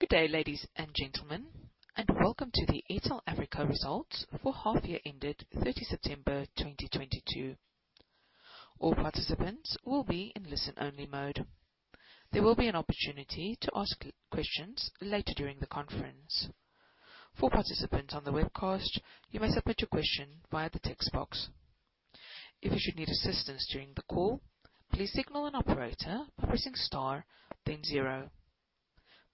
Good day, ladies and gentlemen, and welcome to the Airtel Africa results for half year ended 30 September 2022. All participants will be in listen-only mode. There will be an opportunity to ask questions later during the conference. For participants on the webcast, you may submit your question via the text box. If you should need assistance during the call, please signal an operator by pressing star then zero.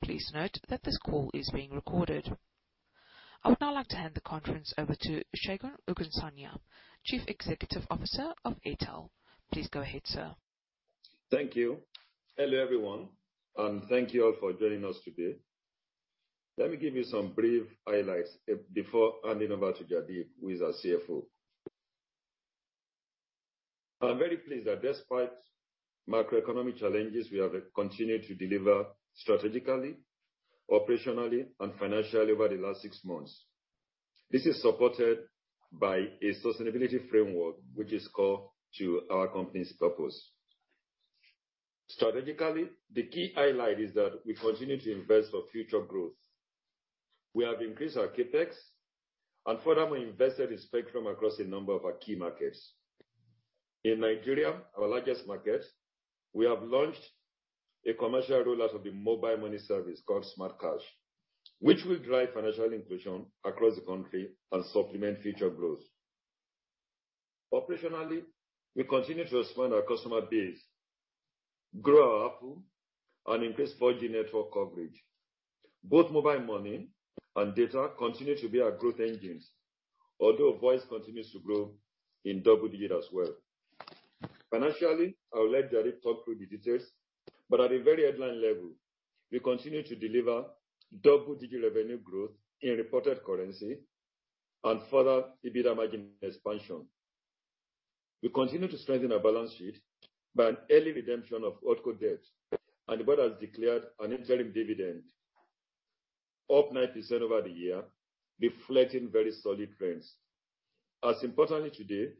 Please note that this call is being recorded. I would now like to hand the conference over to Segun Ogunsanya, Chief Executive Officer of Airtel Africa. Please go ahead, sir. Thank you. Hello, everyone, and thank you all for joining us today. Let me give you some brief highlights before handing over to Jaideep, who is our CFO. I'm very pleased that despite macroeconomic challenges, we have continued to deliver strategically, operationally and financially over the last six months. This is supported by a sustainability framework which is core to our company's purpose. Strategically, the key highlight is that we continue to invest for future growth. We have increased our CapEx and furthermore invested in spectrum across a number of our key markets. In Nigeria, our largest market, we have launched a commercial rollout of the mobile money service called SmartCash, which will drive financial inclusion across the country and supplement future growth. Operationally, we continue to expand our customer base, grow our ARPU, and increase 4G network coverage. Both mobile money and data continue to be our growth engines, although voice continues to grow in double digits as well. Financially, I will let Jaideep talk through the details, but at a very headline level, we continue to deliver double-digit revenue growth in reported currency and further EBITDA margin expansion. We continue to strengthen our balance sheet by an early redemption of HoldCo debt and the board has declared an interim dividend up 90% over the year, reflecting very solid trends. As importantly today,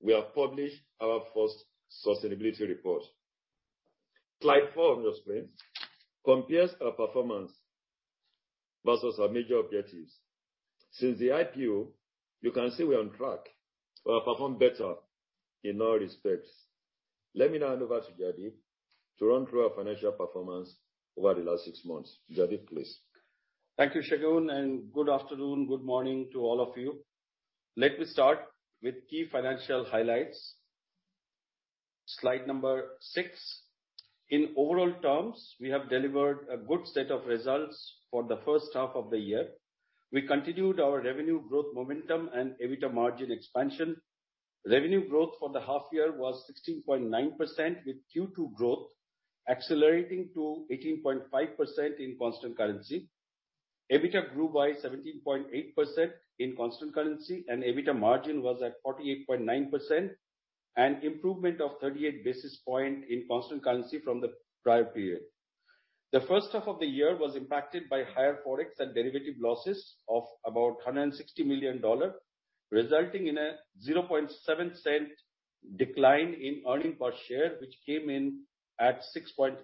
we have published our first sustainability report. Slide four on your screen compares our performance versus our major objectives. Since the IPO, you can see we are on track or perform better in all respects. Let me now hand over to Jaideep to run through our financial performance over the last six months. Jaideep, please. Thank you, Segun, and good afternoon, good morning to all of you. Let me start with key financial highlights. Slide six. In overall terms, we have delivered a good set of results for the first half of the year. We continued our revenue growth momentum and EBITDA margin expansion. Revenue growth for the half year was 16.9% with Q2 growth accelerating to 18.5% in constant currency. EBITDA grew by 17.8% in constant currency and EBITDA margin was at 48.9%, an improvement of 38 basis points in constant currency from the prior period. The first half of the year was impacted by higher Forex and derivative losses of about $160 million, resulting in a $0.007 decline in earnings per share, which came in at $0.068.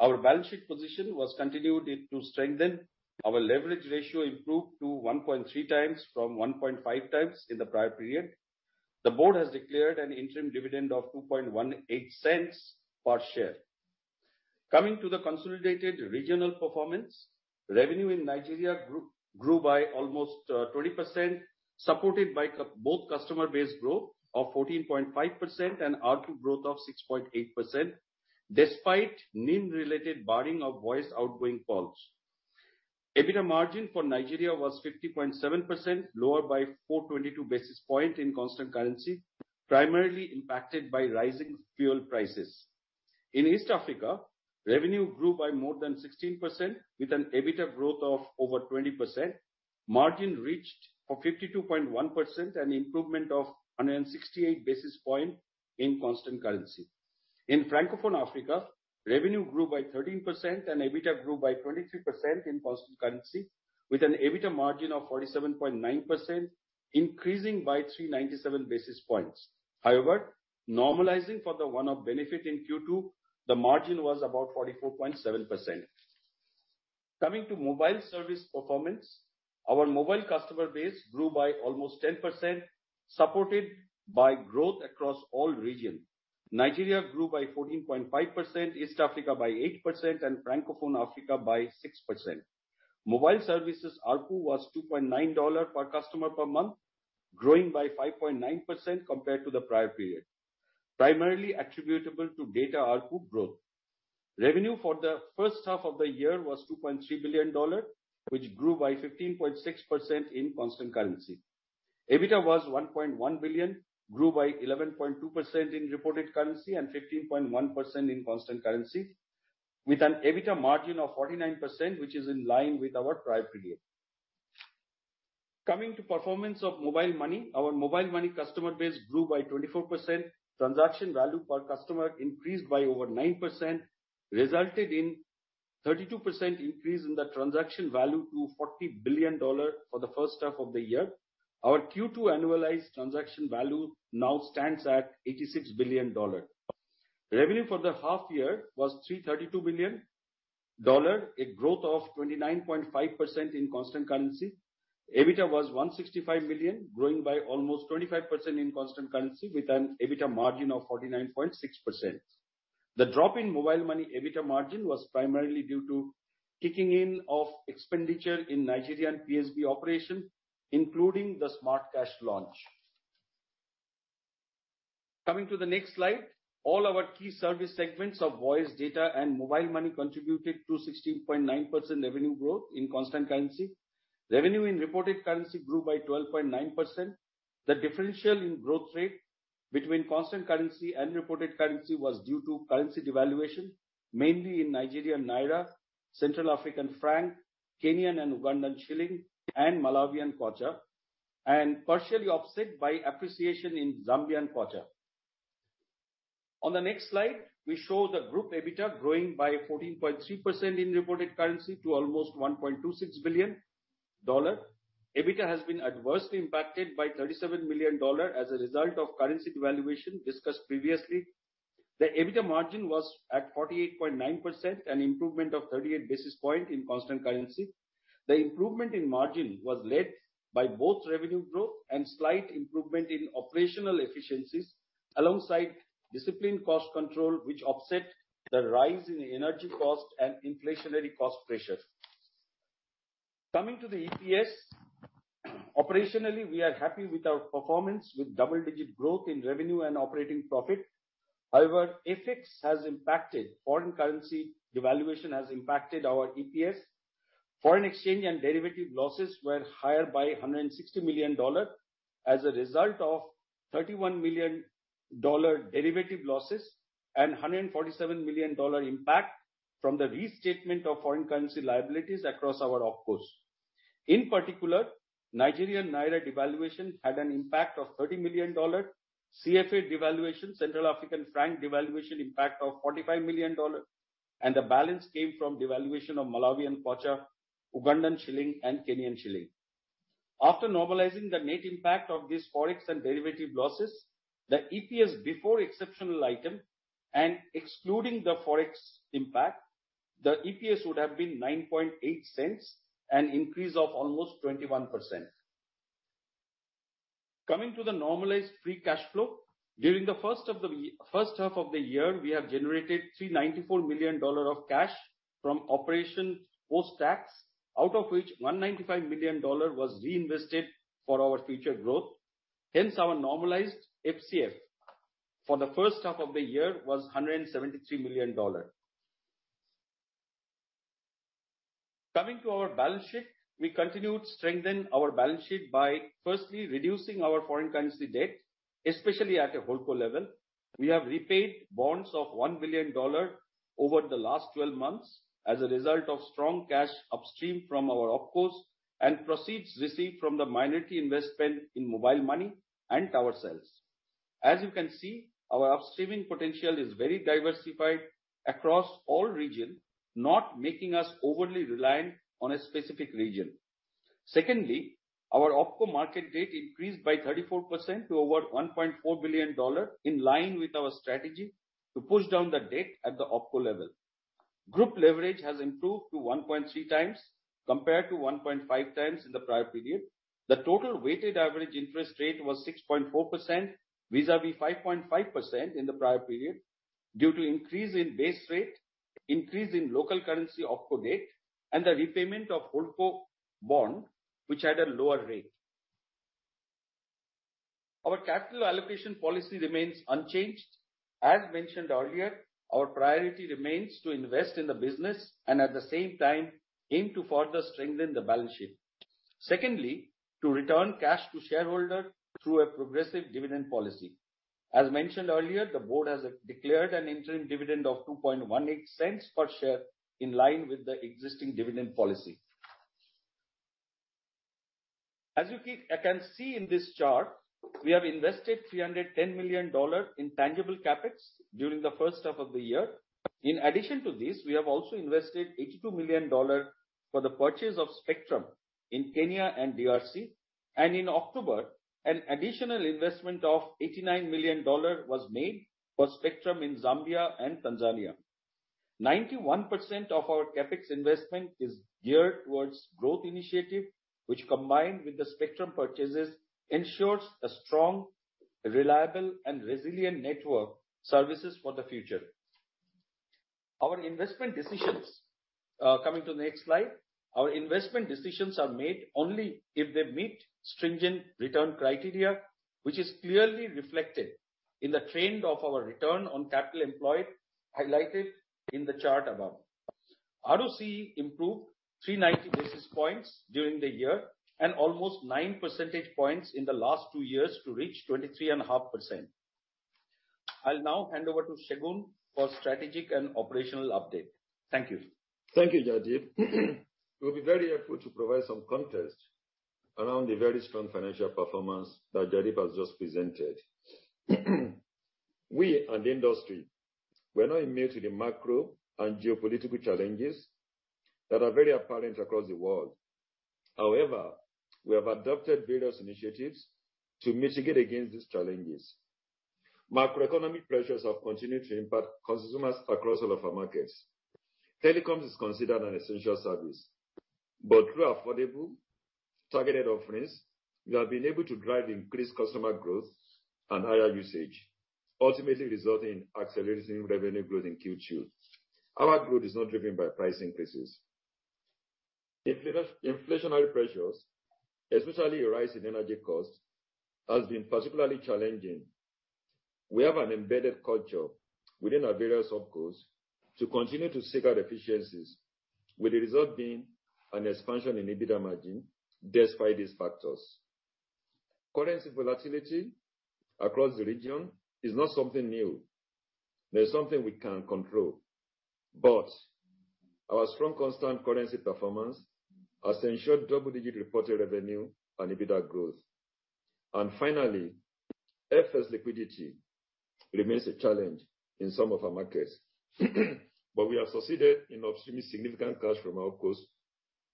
Our balance sheet position continued to strengthen. Our leverage ratio improved to 1.3x from 1.5x in the prior period. The board has declared an interim dividend of $0.0218 per share. Coming to the consolidated regional performance, revenue in Nigeria grew by almost 20%, supported by both customer base growth of 14.5% and ARPU growth of 6.8% despite NIN-related barring of voice outgoing calls. EBITDA margin for Nigeria was 50.7%, lower by 422 basis points in constant currency, primarily impacted by rising fuel prices. In East Africa, revenue grew by more than 16% with an EBITDA growth of over 20%. Margin reached 52.1%, an improvement of 168 basis points in constant currency. In Francophone Africa, revenue grew by 13% and EBITDA grew by 23% in constant currency with an EBITDA margin of 47.9%, increasing by 397 basis points. However, normalizing for the one-off benefit in Q2, the margin was about 44.7%. Coming to mobile service performance, our mobile customer base grew by almost 10%, supported by growth across all regions. Nigeria grew by 14.5%, East Africa by 8% and Francophone Africa by 6%. Mobile services ARPU was $2.9 per customer per month, growing by 5.9% compared to the prior period, primarily attributable to data ARPU growth. Revenue for the first half of the year was $2.3 billion, which grew by 15.6% in constant currency. EBITDA was $1.1 billion, grew by 11.2% in reported currency and 15.1% in constant currency with an EBITDA margin of 49%, which is in line with our prior period. Coming to performance of mobile money. Our mobile money customer base grew by 24%. Transaction value per customer increased by over 9%, resulted in 32% increase in the transaction value to $40 billion for the first half of the year. Our Q2 annualized transaction value now stands at $86 billion. Revenue for the half year was $332 million, a growth of 29.5% in constant currency. EBITDA was $165 million, growing by almost 25% in constant currency with an EBITDA margin of 49.6%. The drop in mobile money EBITDA margin was primarily due to kicking in of expenditure in Nigerian PSB operation, including the SmartCash launch. Coming to the next slide, all our key service segments of voice, data and mobile money contributed to 16.9% revenue growth in constant currency. Revenue in reported currency grew by 12.9%. The differential in growth rate between constant currency and reported currency was due to currency devaluation, mainly in Nigerian Naira, Central African Franc, Kenyan Shilling and Ugandan Shilling, and Malawian Kwacha, and partially offset by appreciation in Zambian Kwacha. On the next slide, we show the group EBITDA growing by 14.3% in reported currency to almost $1.26 billion. EBITDA has been adversely impacted by $37 million as a result of currency devaluation discussed previously. The EBITDA margin was at 48.9%, an improvement of 38 basis points in constant currency. The improvement in margin was led by both revenue growth and slight improvement in operational efficiencies alongside disciplined cost control, which offset the rise in energy cost and inflationary cost pressures. Coming to the EPS, operationally, we are happy with our performance with double-digit growth in revenue and operating profit. However, FX has impacted. Foreign currency devaluation has impacted our EPS. Foreign exchange and derivative losses were higher by $160 million as a result of $31 million derivative losses and $147 million impact from the restatement of foreign currency liabilities across our OpCo. In particular, Nigerian naira devaluation had an impact of $30 million. CFA devaluation, Central African franc devaluation impact of $45 million, and the balance came from devaluation of Malawian Kwacha, Ugandan Shilling and Kenyan Shilling. After normalizing the net impact of these Forex and derivative losses, the EPS before exceptional item and excluding the Forex impact, the EPS would have been $0.098, an increase of almost 21%. Coming to the normalized free cash flow. During the first half of the year, we have generated $394 million of cash from operation post-tax, out of which $195 million was reinvested for our future growth. Hence, our normalized FCF for the first half of the year was $173 million. Coming to our balance sheet. We continued to strengthen our balance sheet by firstly reducing our foreign currency debt, especially at a HoldCo level. We have repaid bonds of $1 billion over the last 12 months as a result of strong cash upstream from our OpCo and proceeds received from the minority investment in Airtel Money and tower sales. As you can see, our upstreaming potential is very diversified across all regions, not making us overly reliant on a specific region. Secondly, our OpCo market debt increased by 34% to over $1.4 billion in line with our strategy to push down the debt at the OpCo level. Group leverage has improved to 1.3x compared to 1.5x in the prior period. The total weighted average interest rate was 6.4% vis-à-vis 5.5% in the prior period due to increase in base rate, increase in local currency OpCo debt, and the repayment of HoldCo bond, which had a lower rate. Our capital allocation policy remains unchanged. As mentioned earlier, our priority remains to invest in the business and at the same time aim to further strengthen the balance sheet. Secondly, to return cash to shareholder through a progressive dividend policy. As mentioned earlier, the board has declared an interim dividend of $0.0218 per share in line with the existing dividend policy. As you can see in this chart, we have invested $310 million in tangible CapEx during the first half of the year. In addition to this, we have also invested $82 million for the purchase of spectrum in Kenya and DRC. In October, an additional investment of $89 million was made for spectrum in Zambia and Tanzania. 91% of our CapEx investment is geared towards growth initiative, which combined with the spectrum purchases ensures a strong, reliable and resilient network services for the future. Our investment decisions, coming to the next slide. Our investment decisions are made only if they meet stringent return criteria, which is clearly reflected in the trend of our return on capital employed, highlighted in the chart above. ROCE improved 390 basis points during the year and almost 9 percentage points in the last two years to reach 23.5%. I'll now hand over to Segun for strategic and operational update. Thank you. Thank you, Jaideep. We'll be very helpful to provide some context around the very strong financial performance that Jaideep has just presented. We and the industry were not immune to the macro and geopolitical challenges that are very apparent across the world. However, we have adopted various initiatives to mitigate against these challenges. Macroeconomic pressures have continued to impact consumers across all of our markets. Telecoms is considered an essential service, but through affordable targeted offerings, we have been able to drive increased customer growth and higher usage, ultimately resulting in accelerating revenue growth in Q2. Our growth is not driven by price increases. Inflationary pressures, especially a rise in energy costs, has been particularly challenging. We have an embedded culture within our various OpCo to continue to seek out efficiencies, with the result being an expansion in EBITDA margin despite these factors. Currency volatility across the region is not something new, nor something we can control. Our strong constant currency performance has ensured double-digit reported revenue and EBITDA growth. Finally, excess liquidity remains a challenge in some of our markets, but we have succeeded in obtaining significant cash from our OpCo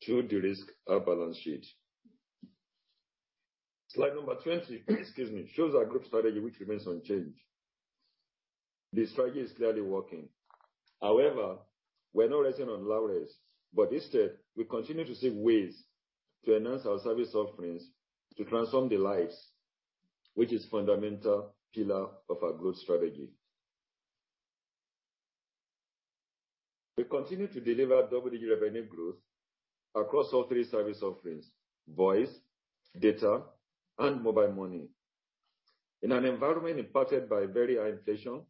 to De-risk our balance sheet. Slide number 20, excuse me, shows our group strategy which remains unchanged. The strategy is clearly working. However, we're not resting on laurels, but instead, we continue to seek ways to enhance our service offerings to transform the lives, which is fundamental pillar of our growth strategy. We continue to deliver double-digit revenue growth across all three service offerings, voice, data, and mobile money. In an environment impacted by very high inflation,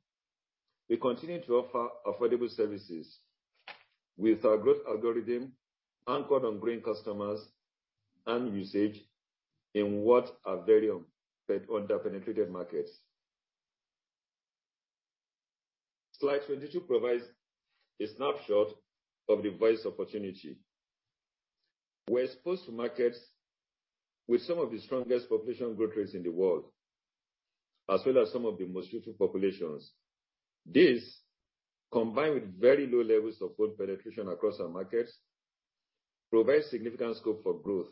we continue to offer affordable services with our growth algorithm anchored on growing customers and usage in what are very underpenetrated markets. Slide 22 provides a snapshot of the voice opportunity. We're exposed to markets with some of the strongest population growth rates in the world, as well as some of the most youthful populations. This, combined with very low levels of voice penetration across our markets, provides significant scope for growth.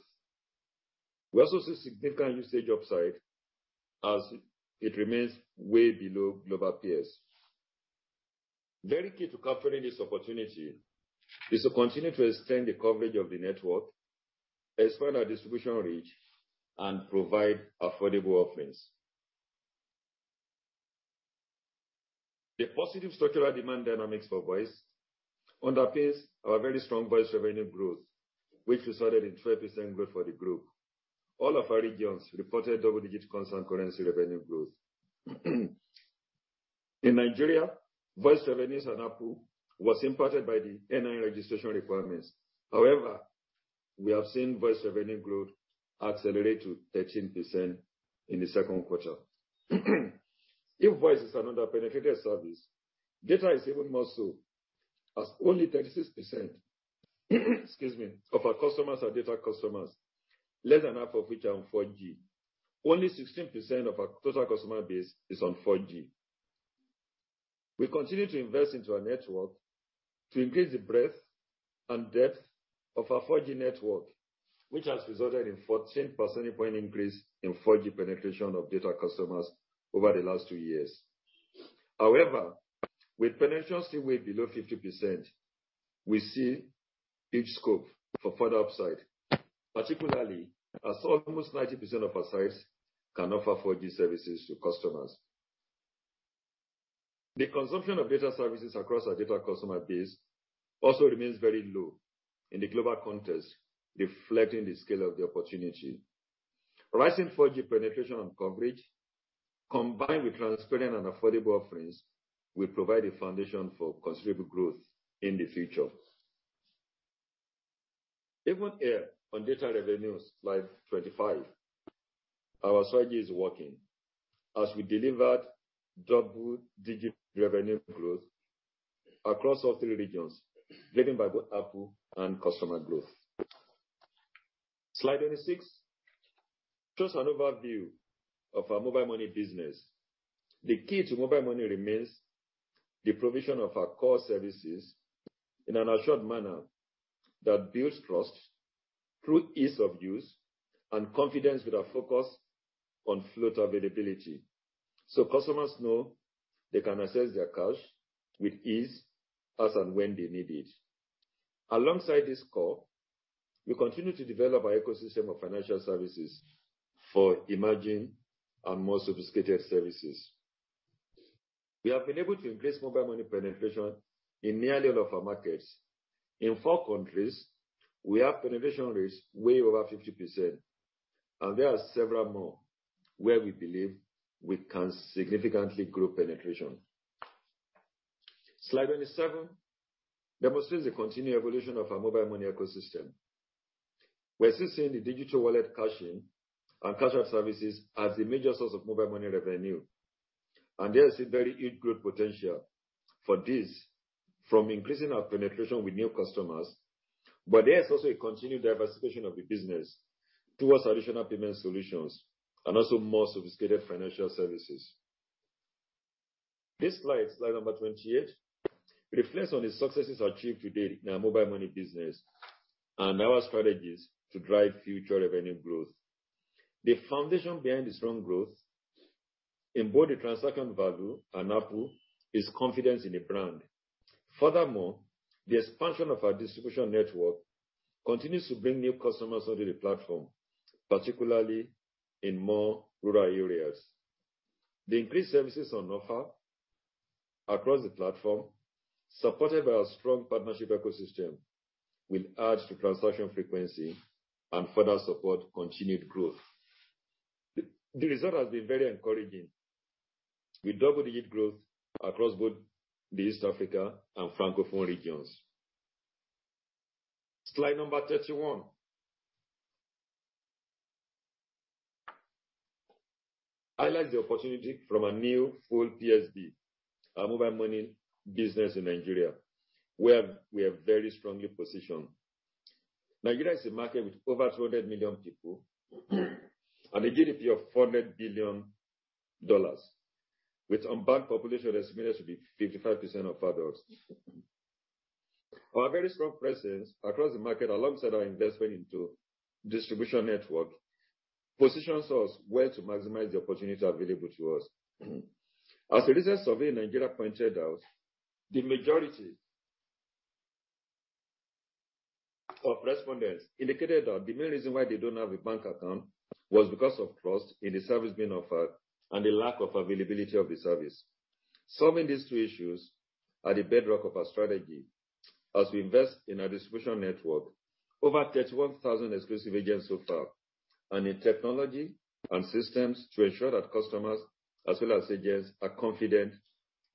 We also see significant usage upside as it remains way below global peers. Very key to capturing this opportunity is to continue to extend the coverage of the network, expand our distribution reach, and provide affordable offerings. The positive structural demand dynamics for voice underpins our very strong voice revenue growth, which resulted in 12% growth for the group. All of our regions reported double-digit constant currency revenue growth. In Nigeria, voice revenues and ARPU was impacted by the NIN registration requirements. However, we have seen voice revenue growth accelerate to 13% in the second quarter. If voice is an underpenetrated service, data is even more so, as only 36%, excuse me, of our customers are data customers, less than half of which are on 4G. Only 16% of our total customer base is on 4G. We continue to invest into our network to increase the breadth and depth of our 4G network, which has resulted in 14 percentage point increase in 4G penetration of data customers over the last two years. However, with penetration still way below 50%, we see huge scope for further upside, particularly as almost 90% of our sites can offer 4G services to customers. The consumption of data services across our data customer base also remains very low in the global context, reflecting the scale of the opportunity. Rising 4G penetration and coverage, combined with transparent and affordable offerings, will provide a foundation for considerable growth in the future. Even here on data revenues, slide 25, our strategy is working as we delivered double-digit revenue growth across all three regions, driven by both ARPU and customer growth. Slide 26 shows an overview of our mobile money business. The key to mobile money remains the provision of our core services in an assured manner that builds trust through ease of use and confidence with our focus on float availability. So customers know they can access their cash with ease as and when they need it. Alongside this core, we continue to develop our ecosystem of financial services for emerging and more sophisticated services. We have been able to increase mobile money penetration in nearly all of our markets. In four countries, we have penetration rates way over 50%, and there are several more where we believe we can significantly grow penetration. Slide 27 demonstrates the continued evolution of our mobile money ecosystem. We're seeing the digital wallet cash in and cash out services as the major source of mobile money revenue. There is a very huge growth potential for this from increasing our penetration with new customers. There is also a continued diversification of the business towards additional payment solutions and also more sophisticated financial services. This slide number 28, reflects on the successes achieved today in our mobile money business and our strategies to drive future revenue growth. The foundation behind the strong growth in both the transaction value and ARPU is confidence in the brand. Furthermore, the expansion of our distribution network continues to bring new customers onto the platform, particularly in more rural areas. The increased services on offer across the platform, supported by our strong partnership ecosystem, will add to transaction frequency and further support continued growth. The result has been very encouraging. We doubled the unit growth across both the East Africa and Francophone regions. Slide number 31. Highlight the opportunity from a new full PSB, our mobile money business in Nigeria, where we are very strongly positioned. Nigeria is a market with over 200 million people and a GDP of $400 billion, with unbanked population estimated to be 55% of adults. Our very strong presence across the market, alongside our investment into distribution network, positions us well to maximize the opportunity available to us. As a recent survey in Nigeria pointed out, the majority of respondents indicated that the main reason why they don't have a bank account was because of trust in the service being offered and the lack of availability of the service. Solving these two issues are the bedrock of our strategy as we invest in our distribution network. Over 31,000 exclusive agents so far, and in technology and systems to ensure that customers as well as agents are confident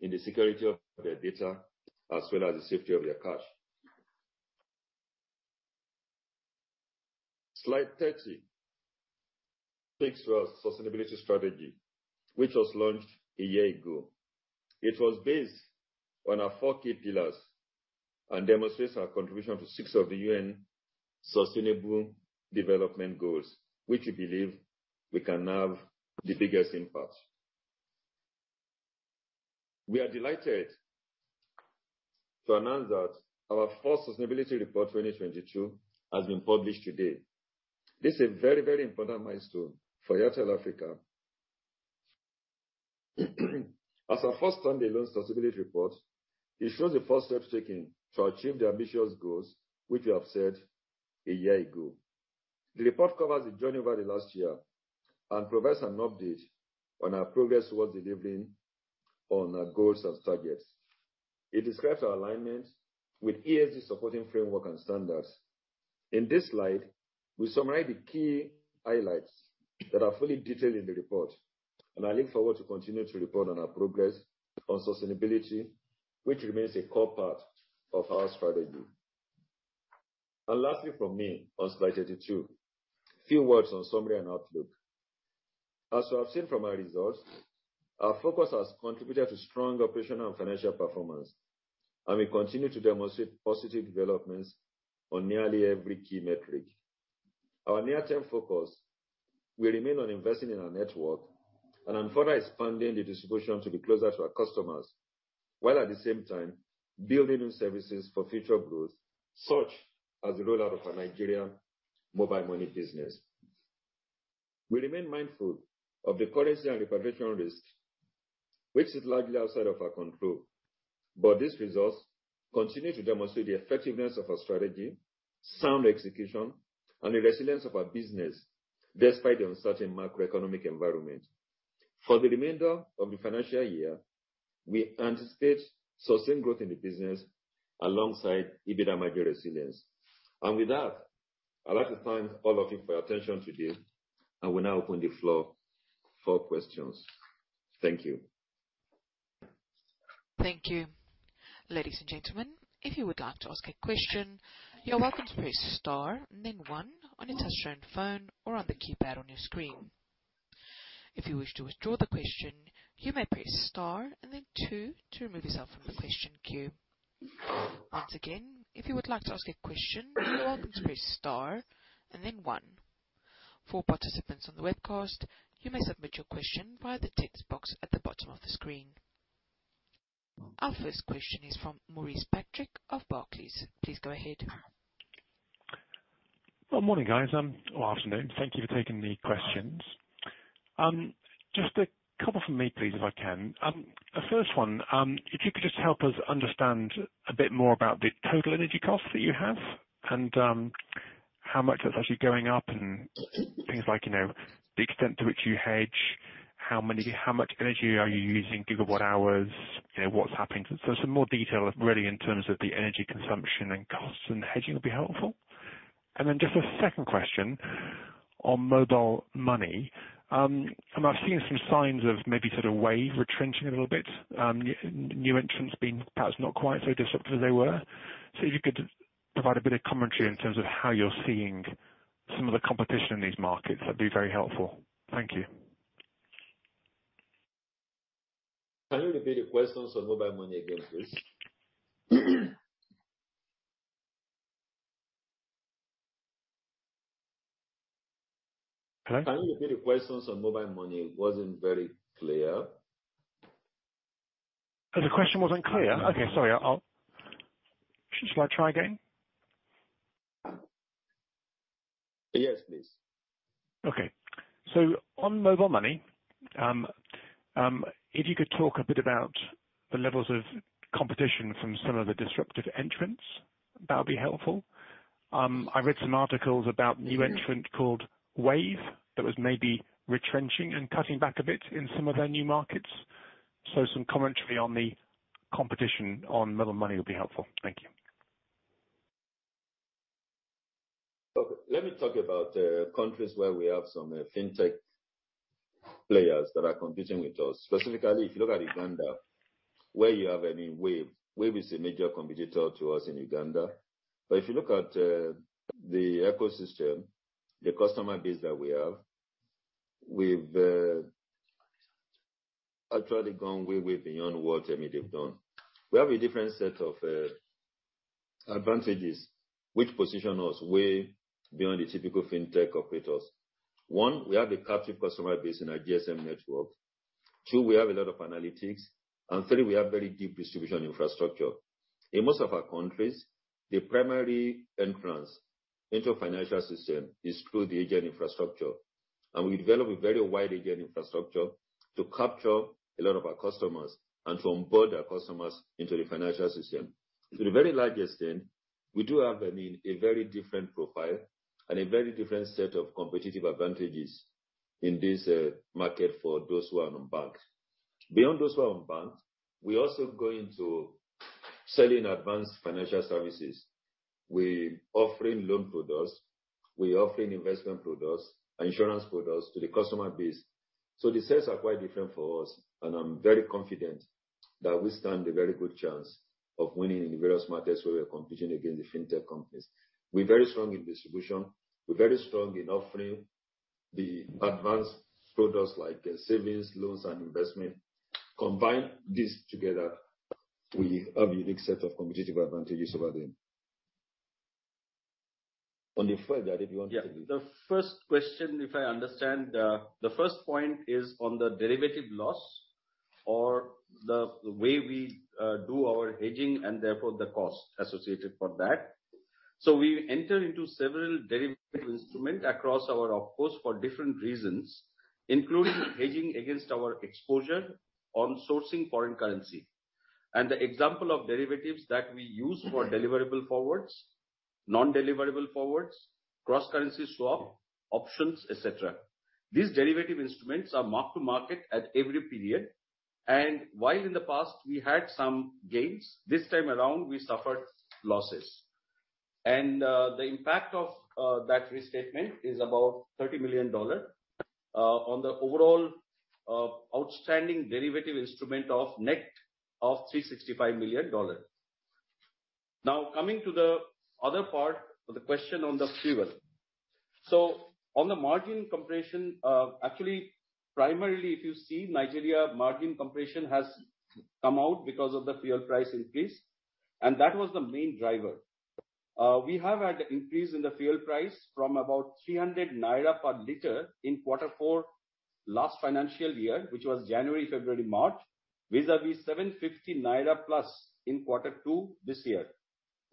in the security of their data as well as the safety of their cash. Slide 30 takes us to our sustainability strategy, which was launched a year ago. It was based on our four key pillars and demonstrates our contribution to six of the UN Sustainable Development Goals, which we believe we can have the biggest impact. We are delighted to announce that our first sustainability report 2022 has been published today. This is a very, very important milestone for Airtel Africa. As our first standalone sustainability report, it shows the first steps taken to achieve the ambitious goals which we have set a year ago. The report covers the journey over the last year and provides an update on our progress towards delivering on our goals and targets. It describes our alignment with ESG supporting framework and standards. In this slide, we summarize the key highlights that are fully detailed in the report, and I look forward to continuing to report on our progress on sustainability, which remains a core part of our strategy. Lastly from me on slide 32, a few words on summary and outlook. As you have seen from our results, our focus has contributed to strong operational and financial performance, and we continue to demonstrate positive developments on nearly every key metric. Our near-term focus will remain on investing in our network and on further expanding the distribution to be closer to our customers, while at the same time building new services for future growth, such as the rollout of our Nigeria mobile money business. We remain mindful of the currency and repatriation risk, which is largely outside of our control. These results continue to demonstrate the effectiveness of our strategy, sound execution, and the resilience of our business despite the uncertain macroeconomic environment. For the remainder of the financial year, we anticipate sustained growth in the business alongside EBITDA margin resilience. With that, I'd like to thank all of you for your attention today, and will now open the floor for questions. Thank you. Thank you. Ladies and gentlemen, if you would like to ask a question, you're welcome to press star and then one on your touchtone phone or on the keypad on your screen. If you wish to withdraw the question, you may press star and then two to remove yourself from the question queue. Once again, if you would like to ask a question, you're welcome to press star and then one. For participants on the webcast, you may submit your question via the text box at the bottom of the screen. Our first question is from Maurice Patrick of Barclays. Please go ahead. Well, morning, guys, or afternoon. Thank you for taking the questions. Just a couple from me, please, if I can. First one, if you could just help us understand a bit more about the total energy costs that you have and, how much that's actually going up and things like, you know, the extent to which you hedge, how much energy are you using, gigawatt hours, you know, what's happening. Some more detail really in terms of the energy consumption and costs and hedging would be helpful. Just a second question on mobile money. I've seen some signs of maybe sort of Wave retrenching a little bit, new entrants being perhaps not quite so disruptive as they were. If you could provide a bit of commentary in terms of how you're seeing some of the competition in these markets, that'd be very helpful. Thank you. Can you repeat the question on mobile money again, please? Hello? Can you repeat questions on Airtel Money? It wasn't very clear. Oh, the question wasn't clear? No. Okay. Sorry, shall I try again? Yes, please. Okay. On Airtel Money, if you could talk a bit about the levels of competition from some of the disruptive entrants, that would be helpful. I read some articles about. Mm-hmm. New entrant called Wave that was maybe retrenching and cutting back a bit in some of their new markets. Some commentary on the competition on Airtel Money would be helpful. Thank you. Okay. Let me talk about countries where we have some fintech players that are competing with us. Specifically, if you look at Uganda, where you have a new Wave. Wave is a major competitor to us in Uganda. If you look at the ecosystem, the customer base that we have, we've actually gone way beyond what Wave have done. We have a different set of advantages which position us way beyond the typical fintech operators. One, we have a captive customer base in our GSM network. Two, we have a lot of analytics. And three, we have very deep distribution infrastructure. In most of our countries, the primary entrance into financial system is through the agent infrastructure, and we develop a very wide agent infrastructure to capture a lot of our customers and to onboard our customers into the financial system. To a very large extent, we do have a very different profile and a very different set of competitive advantages in this market for those who are unbanked. Beyond those who are unbanked, we're also going to selling advanced financial services. We're offering loan products, we're offering investment products, insurance products to the customer base. The sales are quite different for us, and I'm very confident that we stand a very good chance of winning in the various markets where we're competing against the fintech companies. We're very strong in distribution. We're very strong in offering the advanced products like savings, loans, and investment. Combine this together, we have unique set of competitive advantages over them. On the further, if you want to Yeah. The first question, if I understand, the first point is on the derivative loss or the way we do our hedging and therefore the cost associated for that. We enter into several derivative instruments across our OpCo for different reasons, including hedging against our exposure on sourcing foreign currency. The example of derivatives that we use for deliverable forwards, non-deliverable forwards, cross-currency swap, options, et cetera. These derivative instruments are mark-to-market at every period. While in the past we had some gains, this time around we suffered losses. The impact of that restatement is about $30 million on the overall outstanding derivative instruments net of $365 million. Now, coming to the other part of the question on the fuel. On the margin compression, actually primarily if you see Nigeria margin compression has come out because of the fuel price increase, and that was the main driver. We have had increase in the fuel price from about 300 naira per liter in quarter four last financial year, which was January, February, March, vis-a-vis 750+ naira in quarter two this year,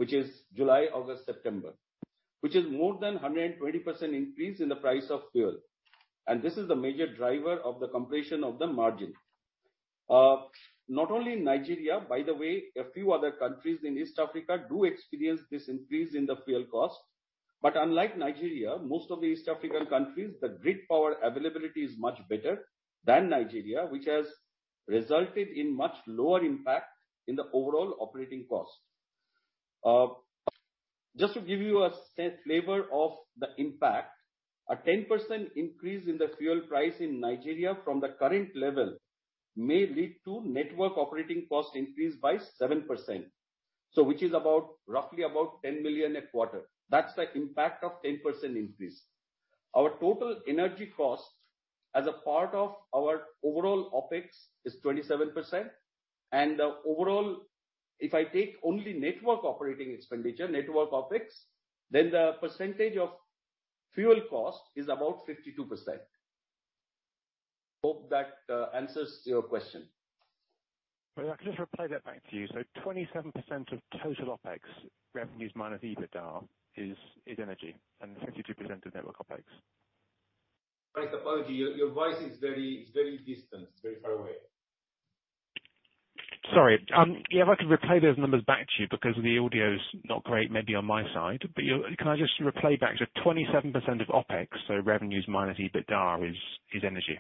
which is July, August, September. Which is more than 120% increase in the price of fuel. This is the major driver of the compression of the margin. Not only in Nigeria, by the way, a few other countries in East Africa do experience this increase in the fuel cost. Unlike Nigeria, most of the East African countries, the grid power availability is much better than Nigeria, which has resulted in much lower impact in the overall operating cost. Just to give you a flavor of the impact, a 10% increase in the fuel price in Nigeria from the current level may lead to network operating cost increase by 7%. Which is about, roughly about $10 million a quarter. That's the impact of 10% increase. Our total energy cost as a part of our overall OpEx is 27%. The overall, if I take only network operating expenditure, network OpEx, then the percentage of fuel cost is about 52%. Hope that answers your question. Can I just replay that back to you? 27% of total OpEx revenues minus EBITDA is energy, and 52% of network OpEx. I apologize. Your voice is very distant, it's very far away. Sorry. Yeah, if I could replay those numbers back to you because the audio's not great, maybe on my side. Can I just replay back? 27% of OpEx, so revenues minus EBITDA is energy.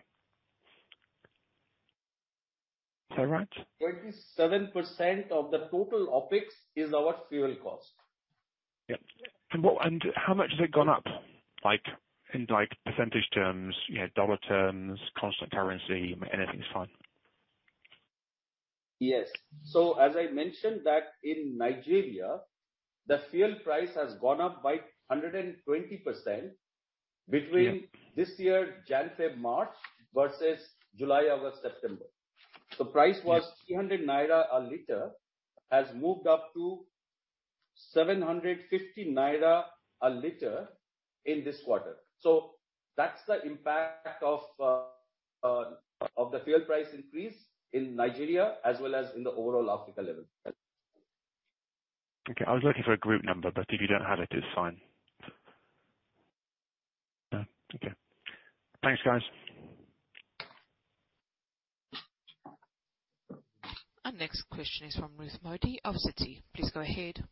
Is that right? 27% of the total OpEx is our fuel cost. Yep. How much has it gone up, like, in, like, percentage terms, you know, dollar terms, constant currency, anything's fine? Yes. As I mentioned that in Nigeria, the fuel price has gone up by 120%. Yeah. between this year, January, February, March, versus July, August, September. The price was 300 naira a liter, has moved up to. 750 naira a liter in this quarter. That's the impact of the fuel price increase in Nigeria as well as in the overall Africa level. Okay. I was looking for a group number, but if you don't have it's fine. Okay. Thanks, guys. Our next question is from Rohit Modi of Citi. Please go ahead.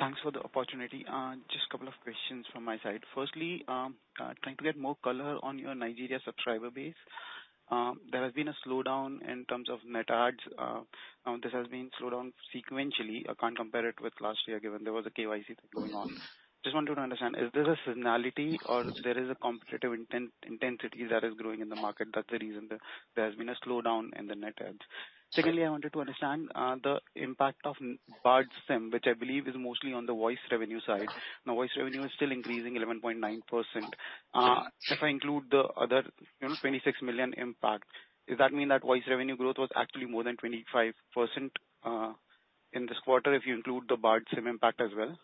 Thanks for the opportunity. Just a couple of questions from my side. Firstly, trying to get more color on your Nigeria subscriber base. There has been a slowdown in terms of net adds. This has slowed down sequentially. I can't compare it with last year, given there was a KYC going on. Just wanted to understand, is this a seasonality or there is a competitive intensity that is growing in the market that's the reason there has been a slowdown in the net adds? Secondly, I wanted to understand, the impact of barred SIM, which I believe is mostly on the voice revenue side. Now voice revenue is still increasing 11.9%. If I include the other, you know, $26 million impact, does that mean that voice revenue growth was actually more than 25%, in this quarter if you include the barred SIM impact as well?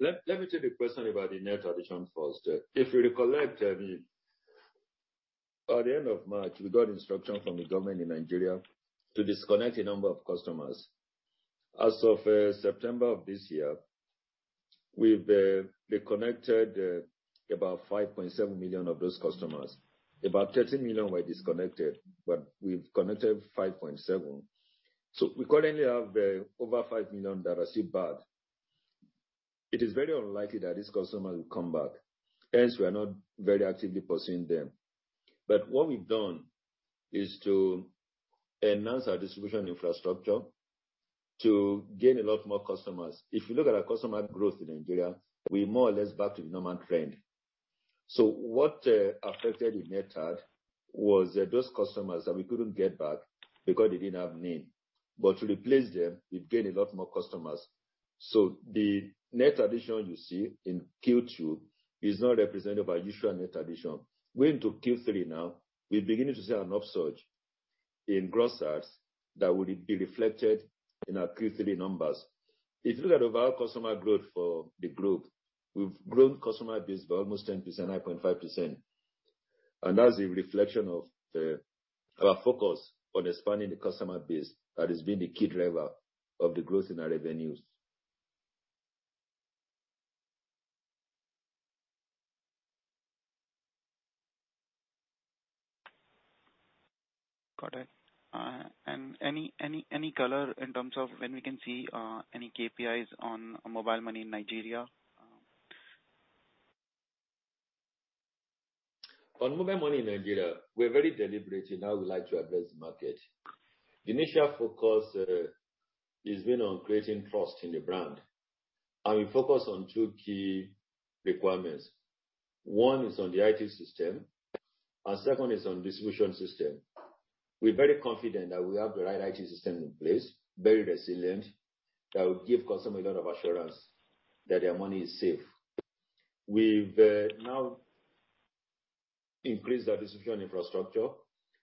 Let me take the question about the net addition first. If you recollect, I mean, by the end of March, we got instruction from the government in Nigeria to disconnect a number of customers. As of September of this year, we've reconnected about 5.7 million of those customers. About 13 million were disconnected, but we've connected 5.7 million We currently have over 5 million that are still barred. It is very unlikely that this customer will come back, hence we are not very actively pursuing them. What we've done is to enhance our distribution infrastructure to gain a lot more customers. If you look at our customer growth in Nigeria, we're more or less back to the normal trend. What affected the net add was those customers that we couldn't get back because they didn't have NIN. To replace them, we've gained a lot more customers. The net addition you see in Q2 is not represented by usual net addition. We're into Q3 now. We're beginning to see an upsurge in gross adds that will be reflected in our Q3 numbers. If you look at overall customer growth for the group, we've grown customer base by almost 10%, 9.5%, and that's a reflection of our focus on expanding the customer base. That has been the key driver of the growth in our revenues. Got it. Any color in terms of when we can see any KPIs on Airtel Money in Nigeria? On Airtel Money in Nigeria, we're very deliberate in how we like to address the market. The initial focus has been on creating trust in the brand, and we focus on two key requirements. One is on the IT system and second is on distribution system. We're very confident that we have the right IT system in place, very resilient, that will give customer a lot of assurance that their money is safe. We've now increased our distribution infrastructure.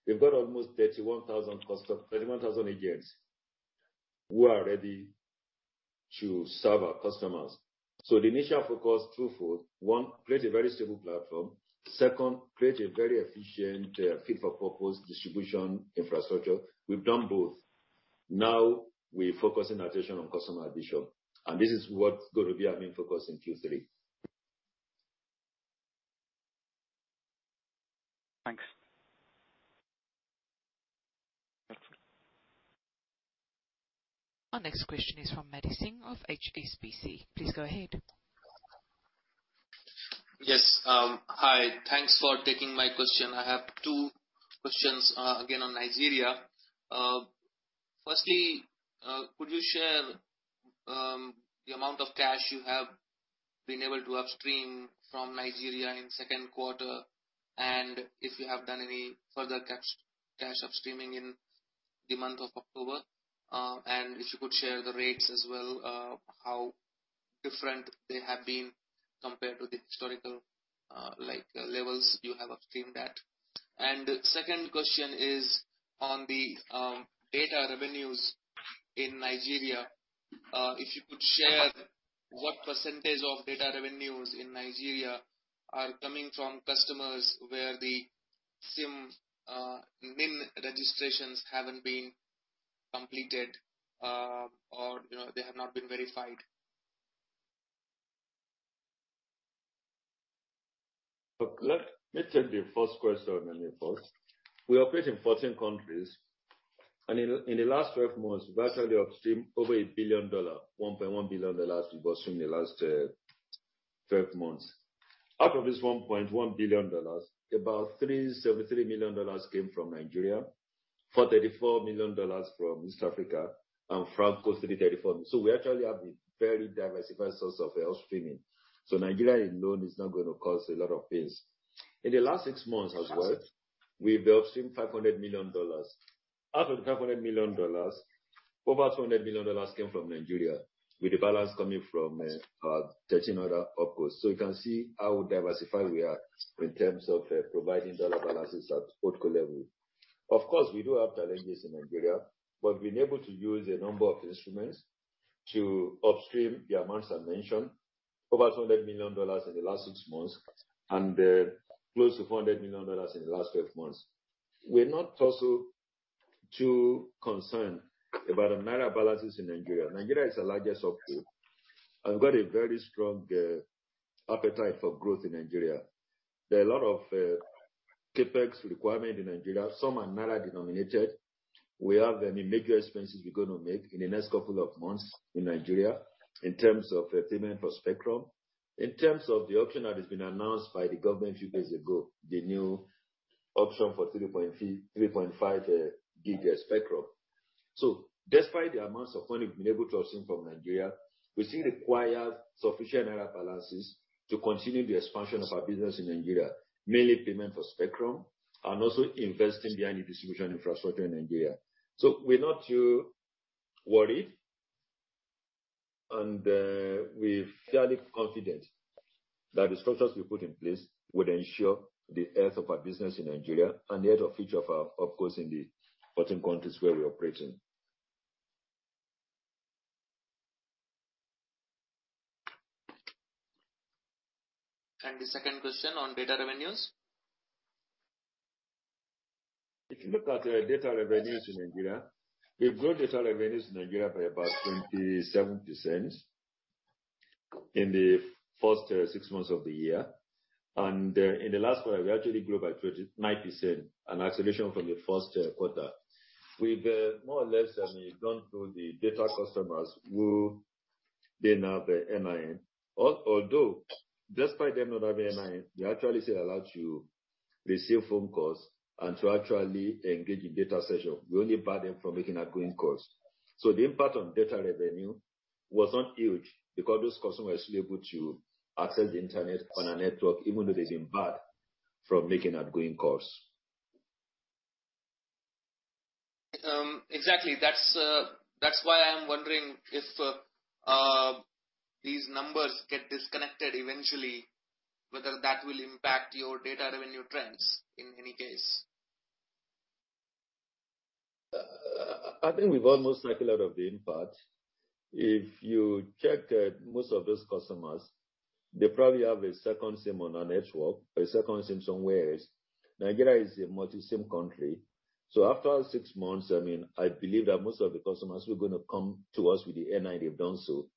We've got almost 31,000 agents who are ready to serve our customers. The initial focus twofold. One, create a very stable platform. Second, create a very efficient, fit for purpose distribution infrastructure. We've done both. Now we're focusing attention on customer addition, and this is what's going to be our main focus in Q3. Thanks. Thank you. Our next question is from Madhvendra Singh of HSBC. Please go ahead. Yes. Hi. Thanks for taking my question. I have two questions, again on Nigeria. Firstly, could you share the amount of cash you have been able to upstream from Nigeria in second quarter, and if you have done any further cash upstreaming in the month of October? And if you could share the rates as well, how different they have been compared to the historical, like levels you have upstreamed at. Second question is on the data revenues in Nigeria. If you could share what percentage of data revenues in Nigeria are coming from customers where the SIM NIN registrations haven't been completed, or, you know, they have not been verified. Let me take the first question and then the fourth. We operate in 14 countries, and in the last 12 months we've actually upstreamed $1.1 billion. Out of this $1.1 billion, about $373 million came from Nigeria, $434 million from East Africa and Francophone Africa, $334 million. We actually have a very diversified source of upstreaming. Nigeria alone is not gonna cause a lot of pains. In the last six months as well, we've upstreamed $500 million. Out of the $500 million, over $200 million came from Nigeria with the balance coming from 13 other OpCo. You can see how diversified we are in terms of providing dollar balances at local level. Of course, we do have challenges in Nigeria, but we've been able to use a number of instruments to upstream the amounts I mentioned, over $200 million in the last six months and close to $400 million in the last twelve months. We're not also too concerned about the naira balances in Nigeria. Nigeria is the largest OpCo and we've got a very strong appetite for growth in Nigeria. There are a lot of CapEx requirement in Nigeria. Some are naira denominated. We have no major expenses we're gonna make in the next couple of months in Nigeria in terms of payment for spectrum. In terms of the auction that has been announced by the government a few days ago, the new auction for 3.5 GHz spectrum. Despite the amounts of money we've been able to upstream from Nigeria, we still require sufficient naira balances to continue the expansion of our business in Nigeria, mainly payment for spectrum and also investing behind the distribution infrastructure in Nigeria. We're not too worried and we're fairly confident that the structures we put in place would ensure the health of our business in Nigeria and the overall future of our OpCo in the other countries where we operate in. The second question on data revenues? If you look at data revenues in Nigeria, we've grown data revenues in Nigeria by about 27% in the first six months of the year. In the last quarter, we actually grew by 9%, an acceleration from the first quarter. We've more or less, I mean, gone through the data customers who they now have NIN. Although despite them not having NIN, they actually still allowed to receive phone calls and to actually engage in data session. We only bar them from making outgoing calls. The impact on data revenue was not huge because those customers were still able to access the internet on our network, even though they've been barred from making outgoing calls. Exactly. That's why I'm wondering if these numbers get disconnected eventually, whether that will impact your data revenue trends in any case. I think we've almost cycled out of the impact. If you check, most of those customers, they probably have a second SIM on our network, a second SIM somewhere else. Nigeria is a multi-SIM country, so after six months, I mean, I believe that most of the customers who are gonna come to us with the NIN, they've done so.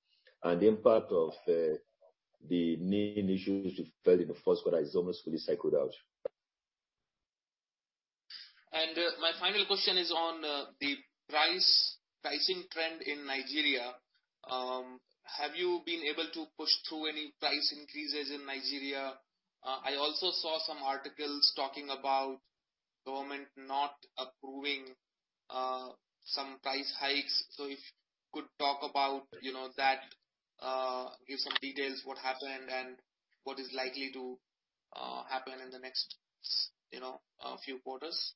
The impact of the NIN issues we've faced in the first quarter is almost fully cycled out. My final question is on the price, pricing trend in Nigeria. Have you been able to push through any price increases in Nigeria? I also saw some articles talking about government not approving some price hikes. If you could talk about, you know, that, give some details what happened and what is likely to happen in the next you know, few quarters.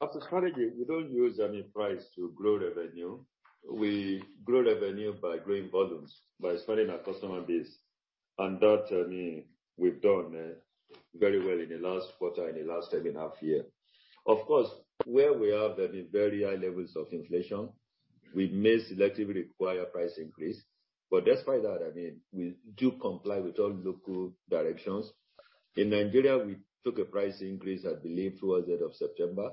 As a strategy, we don't use any price to grow revenue. We grow revenue by growing volumes, by expanding our customer base. That, I mean, we've done very well in the last quarter, in the last 7.5 years. Of course, where we have the very high levels of inflation, we may selectively require price increase. Despite that, I mean, we do comply with all local directions. In Nigeria, we took a price increase, I believe, towards the end of September.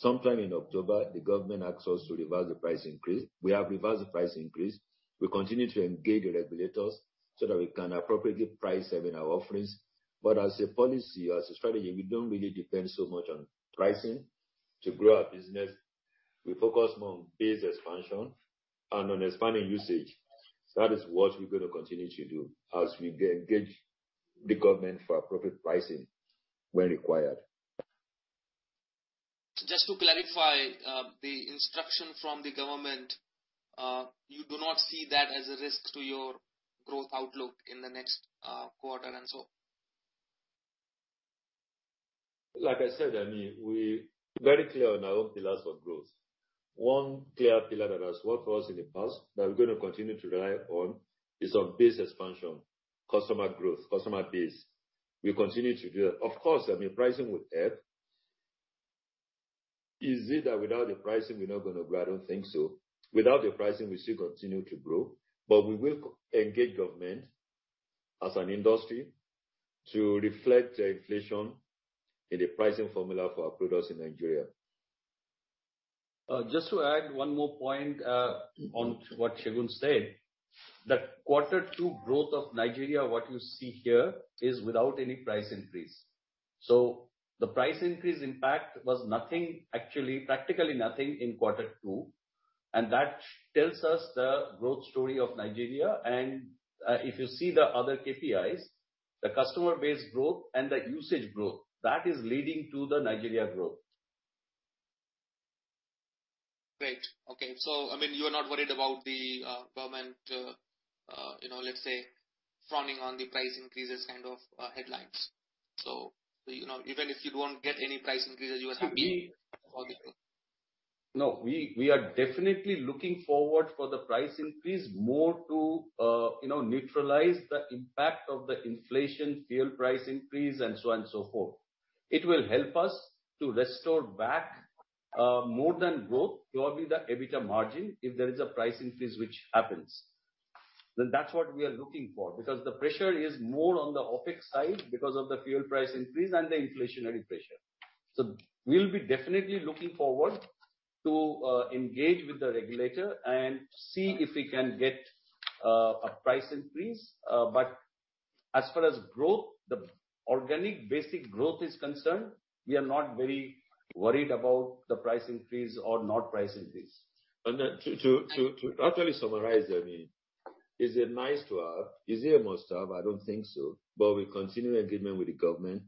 Sometime in October, the government asked us to reverse the price increase. We have reversed the price increase. We continue to engage the regulators so that we can appropriately price, I mean, our offerings. As a policy, as a strategy, we don't really depend so much on pricing to grow our business. We focus more on base expansion and on expanding usage. That is what we're gonna continue to do as we engage the government for appropriate pricing when required. Just to clarify, the instruction from the government, you do not see that as a risk to your growth outlook in the next quarter and so on? Like I said, I mean, we're very clear on our own pillars of growth. One clear pillar that has worked for us in the past that we're gonna continue to rely on is on base expansion, customer growth, customer base. We continue to do that. Of course, I mean, pricing would help. Is it that without the pricing we're not gonna grow? I don't think so. Without the pricing, we still continue to grow, but we will engage government as an industry to reflect the inflation in the pricing formula for our products in Nigeria. Just to add one more point on what Segun said. That quarter two growth of Nigeria, what you see here is without any price increase. The price increase impact was nothing, actually practically nothing in quarter two, and that tells us the growth story of Nigeria. If you see the other KPIs, the customer base growth and the usage growth, that is leading to the Nigeria growth. Great. Okay. I mean, you're not worried about the government, you know, let's say frowning on the price increases kind of headlines. You know, even if you don't get any price increases, you are happy? No. We are definitely looking forward for the price increase more to, you know, neutralize the impact of the inflationary fuel price increase and so on and so forth. It will help us to restore back more than growth, probably the EBITDA margin, if there is a price increase which happens. That's what we are looking for. Because the pressure is more on the OpEx side because of the fuel price increase and the inflationary pressure. We'll be definitely looking forward to engage with the regulator and see if we can get a price increase. As far as growth, the organic basic growth is concerned, we are not very worried about the price increase or not price increase. To actually summarize, I mean, is it nice to have? Is it a must-have? I don't think so. We continue engagement with the government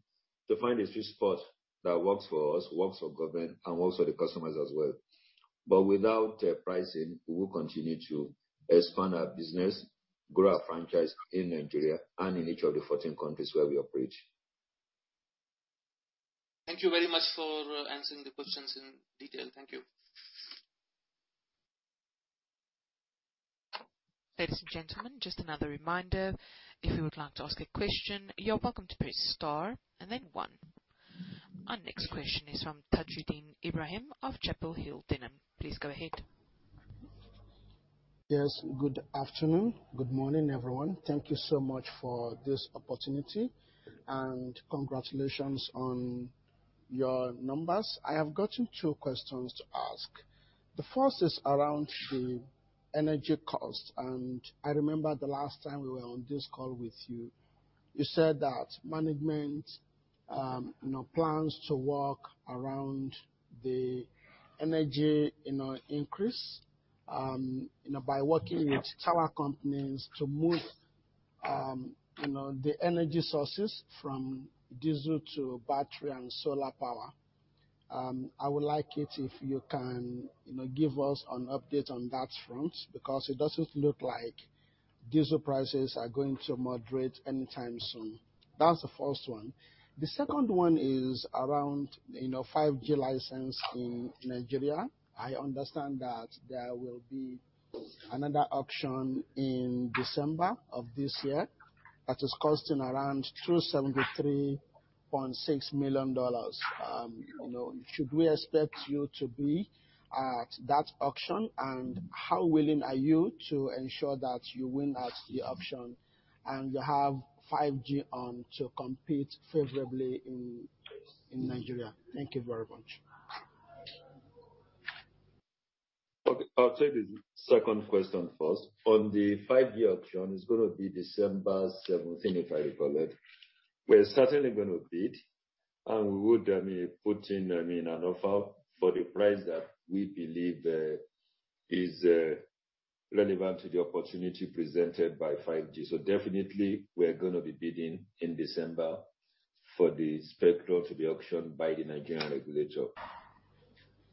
to find a sweet spot that works for us, works for government, and works for the customers as well. Without pricing, we will continue to expand our business, grow our franchise in Nigeria and in each of the 14 countries where we operate. Thank you very much for answering the questions in detail. Thank you. Ladies and gentlemen, just another reminder, if you would like to ask a question, you're welcome to press star and then one. Our next question is from Tajudeen Ibrahim of Chapel Hill Denham. Please go ahead. Yes, good afternoon. Good morning, everyone. Thank you so much for this opportunity, and congratulations on your numbers. I have gotten two questions to ask. The first is around the energy cost, and I remember the last time we were on this call with you said that management, you know, plans to work around the energy, you know, increase, you know, by working with tower companies to move, you know, the energy sources from diesel to battery and solar power. I would like it if you can, you know, give us an update on that front because it doesn't look like diesel prices are going to moderate anytime soon. That's the first one. The second one is around, you know, 5G license in Nigeria. I understand that there will be another auction in December of this year that is costing around $273.6 million. Should we expect you to be at that auction? How willing are you to ensure that you win at the auction and you have 5G on to compete favorably in Nigeria? Thank you very much. Okay, I'll take the second question first. On the 5G auction, it's gonna be December seventeenth, if I recall it. We're certainly gonna bid, and we would put in an offer for the price that we believe is relevant to the opportunity presented by 5G. So definitely we're gonna be bidding in December for the spectrum to be auctioned by the Nigerian regulator.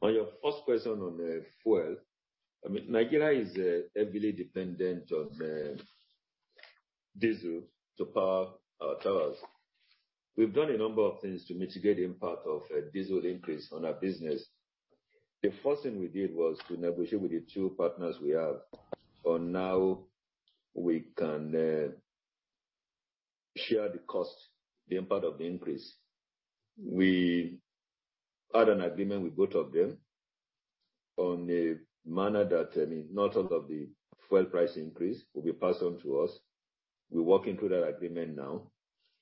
On your first question on fuel, I mean, Nigeria is heavily dependent on diesel to power our towers. We've done a number of things to mitigate impact of a diesel increase on our business. The first thing we did was to negotiate with the two partners we have on how we can share the cost, the impact of the increase. We had an agreement with both of them on a manner that, I mean, not all of the fuel price increase will be passed on to us. We're working through that agreement now.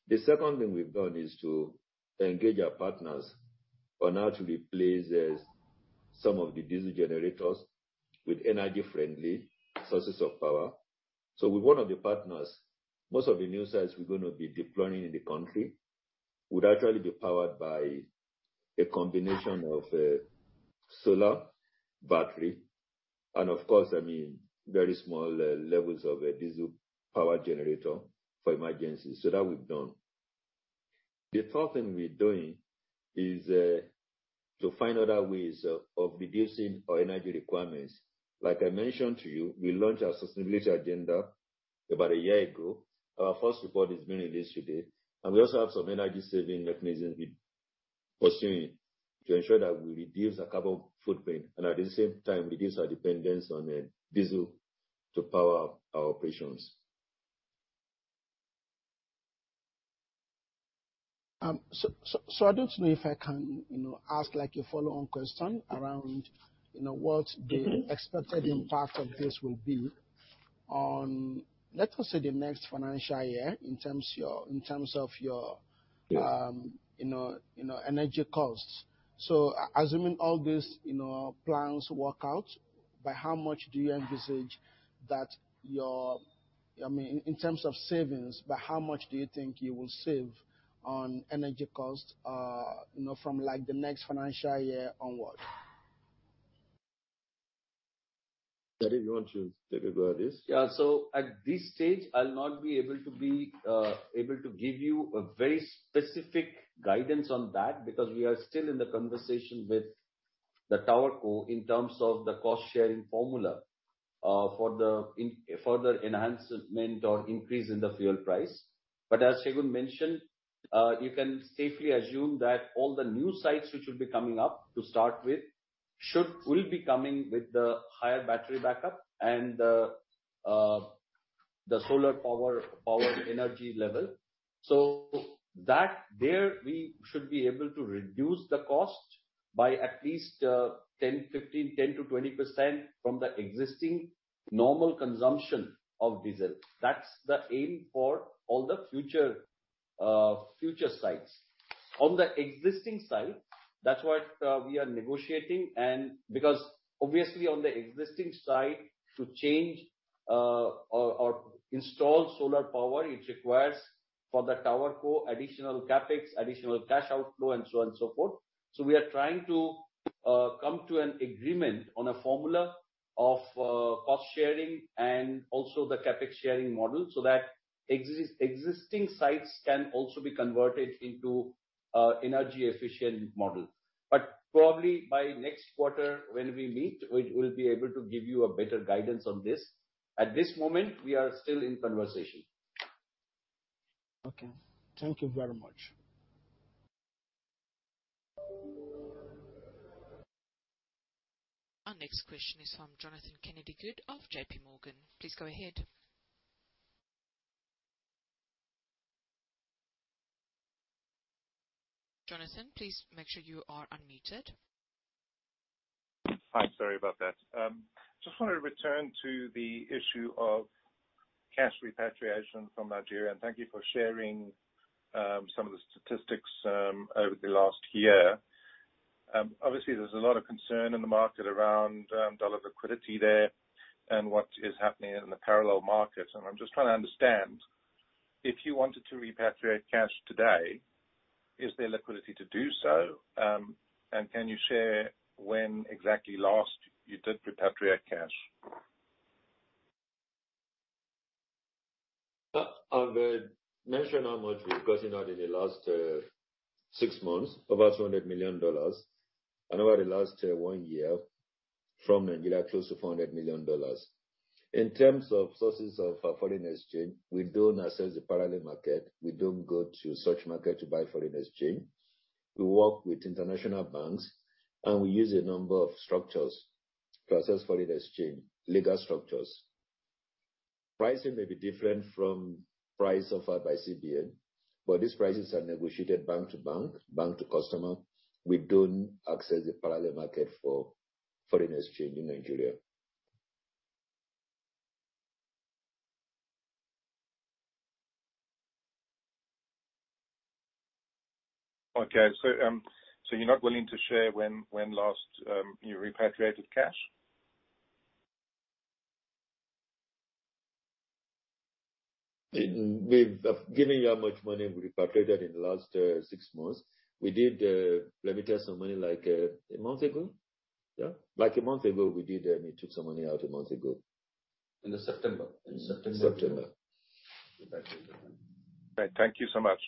The second thing we've done is to engage our partners on how to replace some of the diesel generators with energy friendly sources of power. With one of the partners, most of the new sites we're gonna be deploying in the country would actually be powered by a combination of solar battery and of course, I mean, very small levels of a diesel power generator for emergencies. That we've done. The third thing we're doing is to find other ways of reducing our energy requirements. Like I mentioned to you, we launched our sustainability agenda about a year ago. Our first report is being released today. We also have some energy saving mechanisms we're pursuing to ensure that we reduce our carbon footprint and at the same time reduce our dependence on diesel to power our operations. I don't know if I can, you know, ask like a follow-on question around, you know, what the expected impact of this will be on, let us say, the next financial year in terms of your energy costs. Assuming all these, you know, plans work out, by how much do you envisage that your, I mean, in terms of savings, by how much do you think you will save on energy costs, you know, from like the next financial year onwards? Jaideep, you want to take a go at this? At this stage, I'll not be able to give you a very specific guidance on that because we are still in the conversation with the TowerCo in terms of the cost-sharing formula for the further enhancement or increase in the fuel price. As Segun mentioned, you can safely assume that all the new sites which will be coming up to start with will be coming with the higher battery backup and the solar power energy level. That there we should be able to reduce the cost by at least 10%-20% from the existing normal consumption of diesel. That's the aim for all the future sites. On the existing site, that's what we are negotiating and because obviously on the existing site to change or install solar power, it requires for the TowerCo additional CapEx, additional cash outflow and so on and so forth. We are trying to come to an agreement on a formula of cost sharing and also the CapEx sharing model so that existing sites can also be converted into an energy efficient model. Probably by next quarter when we meet, we'll be able to give you a better guidance on this. At this moment, we are still in conversation. Okay. Thank you very much. Our next question is from Jonathan Kennedy-Good of JPMorgan. Please go ahead. Jonathan, please make sure you are unmuted. Hi. Sorry about that. Just want to return to the issue of cash repatriation from Nigeria, and thank you for sharing some of the statistics over the last year. Obviously there's a lot of concern in the market around dollar liquidity there and what is happening in the parallel market. I'm just trying to understand, if you wanted to repatriate cash today, is there liquidity to do so? Can you share when exactly last you did repatriate cash? I would mention how much we've gotten out in the last six months, over $200 million, and over the last one year from Nigeria, close to $400 million. In terms of sources of foreign exchange, we don't access the parallel market. We don't go to such market to buy foreign exchange. We work with international banks, and we use a number of structures to access foreign exchange, legal structures. Pricing may be different from price offered by CBN, but these prices are negotiated bank to bank to customer. We don't access the parallel market for foreign exchange in Nigeria. Okay. You're not willing to share when last you repatriated cash? We've given you how much money we repatriated in the last six months. We did repatriate some money like a month ago. Like a month ago we did and we took some money out a month ago. In September. September. Okay. Thank you so much.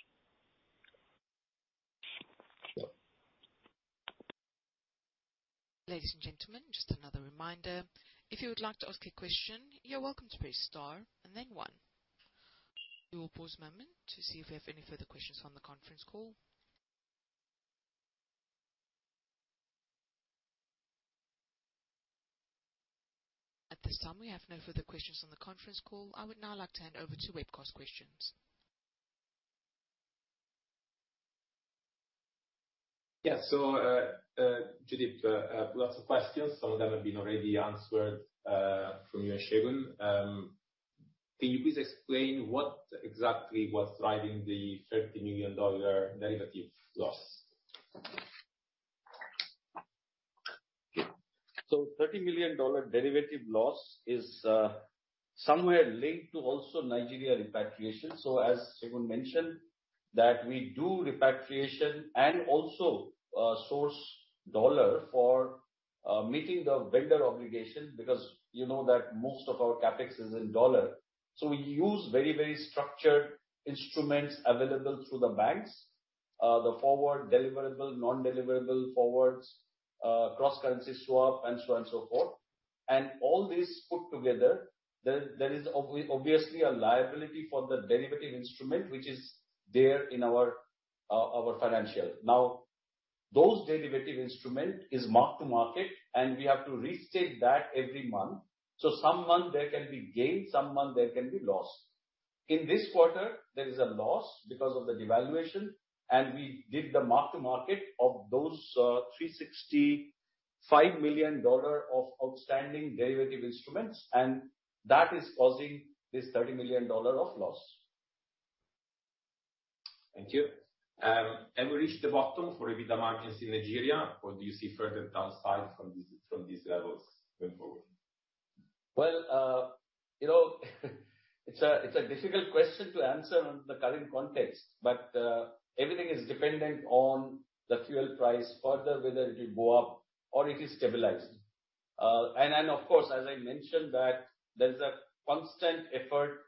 Sure. Ladies and gentlemen, just another reminder. If you would like to ask a question, you're welcome to press star and then one. We will pause a moment to see if we have any further questions on the conference call. At this time, we have no further questions on the conference call. I would now like to hand over to webcast questions. Yeah. Jaideep, lots of questions. Some of them have been already answered, from you and Segun. Can you please explain what exactly was driving the $30 million derivative loss? $30 million derivative loss is somewhere linked to also Nigeria repatriation. As Segun mentioned, that we do repatriation and also source dollar for meeting the vendor obligation because you know that most of our CapEx is in dollar. We use very, very structured instruments available through the banks, the forward deliverable, non-deliverable forwards, cross currency swap and so on so forth. All this put together, there is obviously a liability for the derivative instrument which is there in our financials. Now those derivative instrument is mark to market and we have to restate that every month. Some month there can be gain, some month there can be loss. In this quarter, there is a loss because of the devaluation and we did the mark to market of those, $365 million of outstanding derivative instruments and that is causing this $30 million of loss. Thank you. Have we reached the bottom for EBITDA margins in Nigeria, or do you see further downside from these levels going forward? Well, you know, it's a difficult question to answer in the current context, but everything is dependent on the fuel price further, whether it will go up or it is stabilized. Of course, as I mentioned that there's a constant effort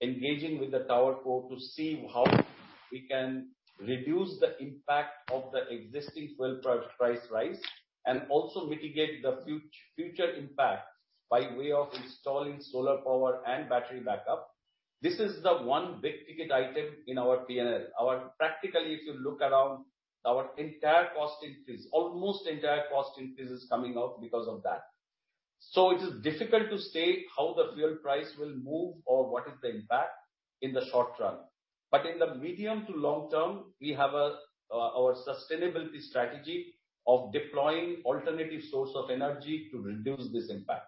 engaging with the TowerCo to see how we can reduce the impact of the existing fuel price rise and also mitigate the future impact by way of installing solar power and battery backup. This is the one big ticket item in our P&L. Practically, if you look around our entire cost increase, almost the entire cost increase is coming out because of that. It is difficult to state how the fuel price will move or what is the impact in the short term. In the medium to long term, we have our sustainability strategy of deploying alternative source of energy to reduce this impact.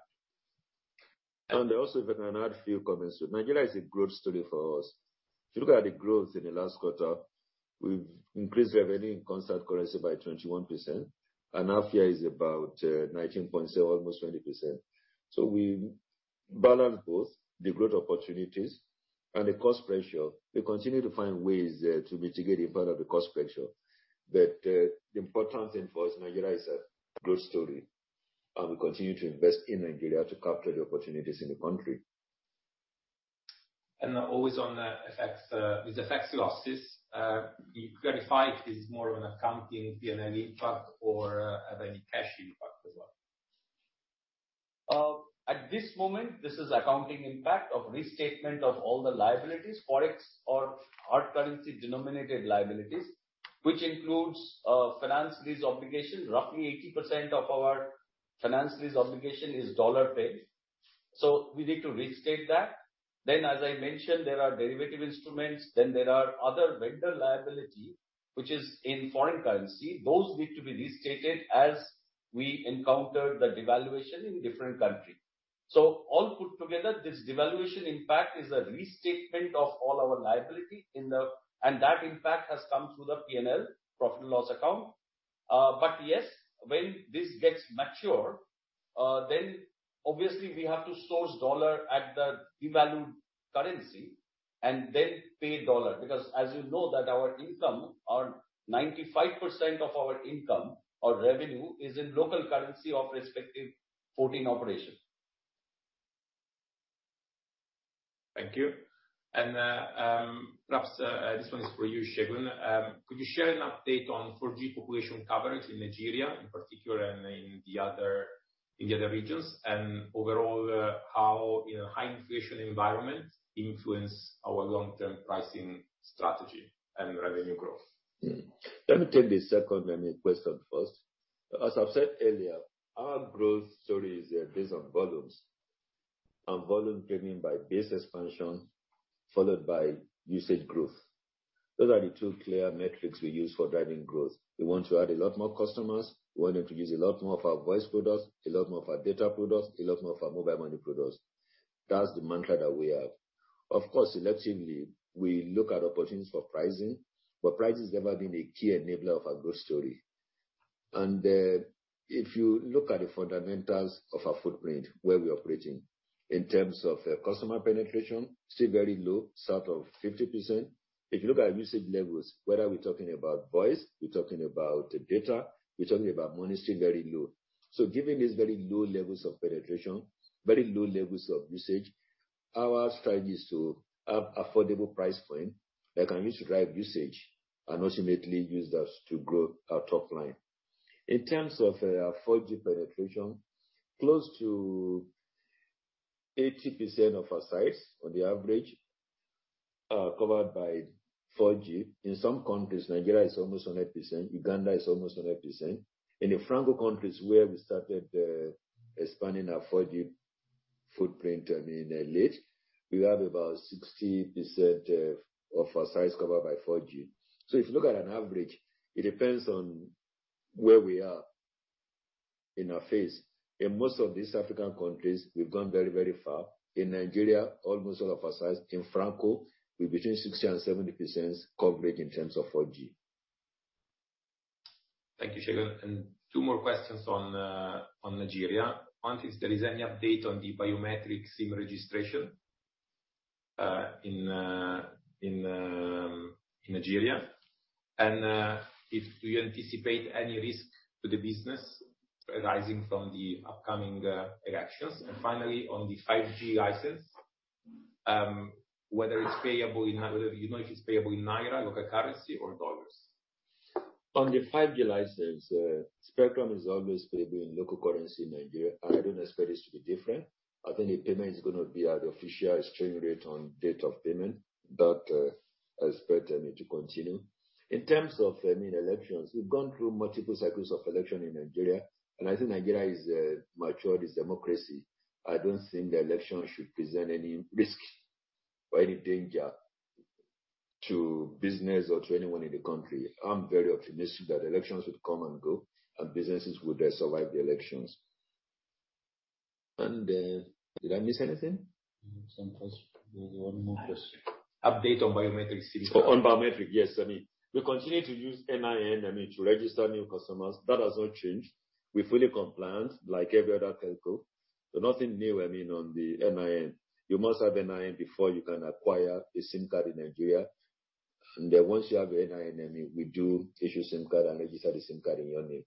Also, if I can add few comments. Nigeria is a growth story for us. If you look at the growth in the last quarter, we've increased revenue in constant currency by 21%, and half year is about 19.0, almost 20%. We balance both the growth opportunities and the cost pressure. We continue to find ways to mitigate the impact of the cost pressure. The important thing for us, Nigeria is a growth story, and we continue to invest in Nigeria to capture the opportunities in the country. Also on the FX, with FX losses, could you clarify if this is more of an accounting P&L impact or have any cash impact as well? At this moment, this is accounting impact of restatement of all the liabilities, forex or our currency denominated liabilities, which includes, finance lease obligations. Roughly 80% of our finance lease obligation is dollar-based, so we need to restate that. As I mentioned, there are derivative instruments. There are other vendor liability which is in foreign currency. Those need to be restated as we encounter the devaluation in different country. All put together, this devaluation impact is a restatement of all our liability, and that impact has come through the P&L, profit and loss account. But yes, when this gets mature, then obviously we have to source dollar at the devalued currency and then pay dollar. Because as you know that our income or 95% of our income or revenue is in local currency of respective 14 operations. Thank you. Perhaps this one is for you, Segun. Could you share an update on 4G population coverage in Nigeria in particular and in the other regions? Overall, you know, high inflation environment influence our long-term pricing strategy and revenue growth? Let me take the second, I mean, question first. As I've said earlier, our growth story is based on volumes driven by base expansion followed by usage growth. Those are the two clear metrics we use for driving growth. We want to add a lot more customers. We want to introduce a lot more of our voice products, a lot more of our data products, a lot more of our mobile money products. That's the mantra that we have. Of course, selectively, we look at opportunities for pricing, but pricing has never been a key enabler of our growth story. If you look at the fundamentals of our footprint, where we are operating in terms of customer penetration, still very low, south of 50%. If you look at usage levels, whether we're talking about voice, we're talking about data, we're talking about money, still very low. Given these very low levels of penetration, very low levels of usage, our strategy is to have affordable price point that can be to drive usage and ultimately use that to grow our top line. In terms of 4G penetration, close to 80% of our sites on the average are covered by 4G. In some countries, Nigeria is almost 100%. Uganda is almost 100%. In the Francophone countries, where we started expanding our 4G footprint, I mean, we have about 60% of our sites covered by 4G. If you look at an average, it depends on where we are in our phase. In most of these African countries, we've gone very, very far. In Nigeria, almost all of our sites. In Francophone, we're between 60% and 70% coverage in terms of 4G. Thank you, Segun. Two more questions on Nigeria. One, if there is any update on the biometric SIM registration in Nigeria? Do you anticipate any risk to the business arising from the upcoming elections? Finally, on the 5G license, do you know if it's payable in naira, local currency or dollars? On the 5G license, spectrum is always payable in local currency in Nigeria, and I don't expect this to be different. I think the payment is gonna be at official exchange rate on date of payment, but I expect that to continue. In terms of, I mean, elections, we've gone through multiple cycles of election in Nigeria, and I think Nigeria is a mature democracy. I don't think the election should present any risk or any danger to business or to anyone in the country. I'm very optimistic that elections would come and go and businesses would survive the elections. Did I miss anything? Some questions. There's one more question. Update on biometric SIM card. On biometric, yes. I mean, we continue to use NIN, I mean, to register new customers. That has not changed. We're fully compliant like every other telco. Nothing new, I mean, on the NIN. You must have NIN before you can acquire a SIM card in Nigeria. Once you have your NIN, we do issue SIM card and register the SIM card in your name.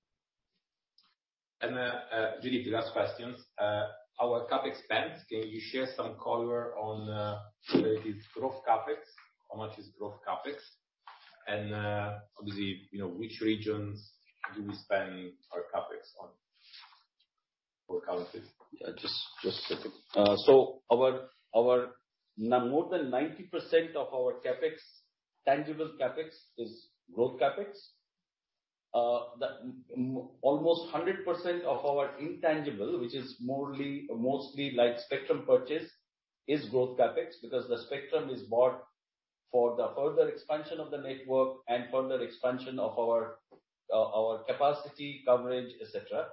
Really the last question, our CapEx spend, can you share some color on related growth CapEx? How much is growth CapEx? Obviously, you know, which regions do we spend our CapEx on or currently? Just quickly. More than 90% of our CapEx, tangible CapEx is growth CapEx. Almost 100% of our intangible, which is more or less, mostly like spectrum purchase, is growth CapEx. Because the spectrum is bought for the further expansion of the network and further expansion of our capacity coverage, etc.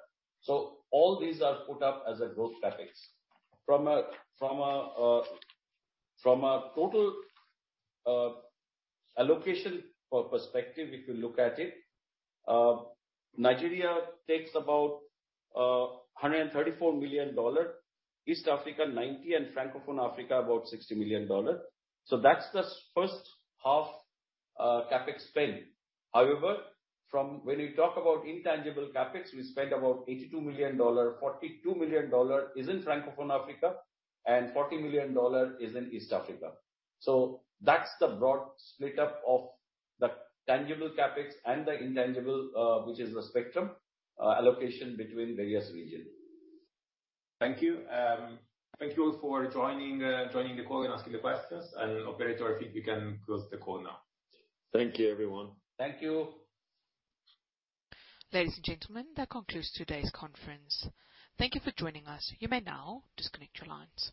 All these are put up as a growth CapEx. From a total allocation or perspective, if you look at it, Nigeria takes about $134 million, East Africa $90 million, and Francophone Africa about $60 million. That's the first half CapEx spend. However, from when you talk about intangible CapEx, we spend about $82 million. $42 million is in Francophone Africa and $40 million is in East Africa. That's the broad split up of the tangible CapEx and the intangible, which is the spectrum, allocation between various region. Thank you. Thank you all for joining the call and asking the questions. Operator, I think we can close the call now. Thank you, everyone. Thank you. Ladies and gentlemen, that concludes today's conference. Thank you for joining us. You may now disconnect your lines.